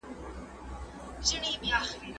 غلام په پیسو باندې واخیستل شو.